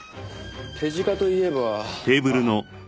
手近といえばあっ。